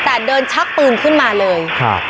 แต่เดินชักปืนขึ้นมาเลยครับ